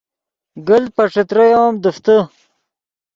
گلت پے ݯتریو ام دیفتے